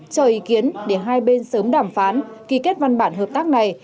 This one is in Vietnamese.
cho ý kiến để hai bên sớm đàm phán ký kết văn bản hợp tác này